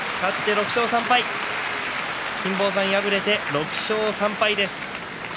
金峰山、敗れて６勝３敗。